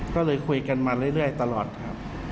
ก็เลยคุยกันมาเรื่อยตลอดครับ